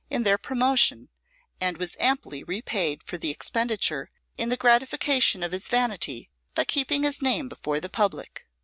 in their promotion, and was amply repaid for the expenditure in the gratification of his vanity by keeping his name before the public.